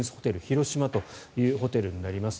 広島というホテルになります。